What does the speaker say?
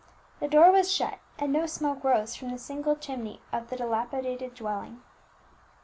The door was shut, and no smoke rose from the single chimney of the dilapidated dwelling.